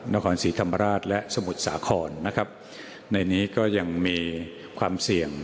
นครศรีธรรมราชและสมุทรสาครนะครับในนี้ก็ยังมีความเสี่ยง